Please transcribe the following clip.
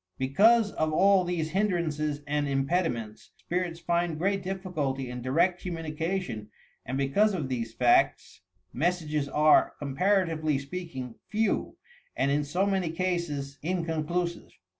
Because of all these hindrances and impediments, spirits find great difficulty in direct commiinication and because of these facts, messages are, comparatively speak ing, few, and in so many cases inconclusive.